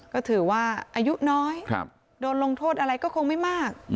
ก็ถือว่าอายุน้อยโดนลงโทษอะไรก็คงไม่มาก